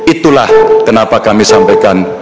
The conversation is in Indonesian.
itulah kenapa kami sampaikan